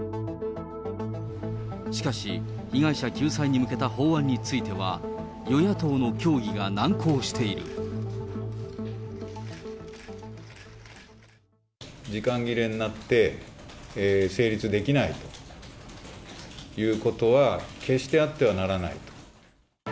しかし被害者救済に向けた法案については、時間切れになって、成立できないということは、決してあってはならないと。